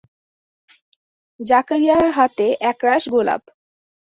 জাকারিয়ার হাতে একরাশ গোলাপ।